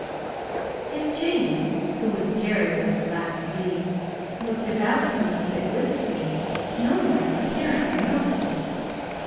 If Jamie (who with Jerry was the last to leave) looked about him a bit wistfully, no one apparently noticed it.